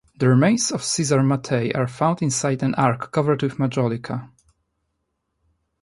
The remains of Cesare Mattei are found inside an ark covered with majolica.